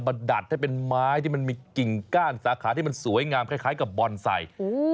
ดัดให้เป็นไม้ที่มันมีกิ่งก้านสาขาที่มันสวยงามคล้ายกับบอนไซค์